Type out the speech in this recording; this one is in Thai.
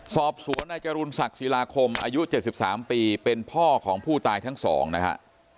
สอบสวนในจรุนศักดิ์ศิลาคมอายุเจ็ดสิบสามปีเป็นพ่อของผู้ตายทั้งสองนะฮะ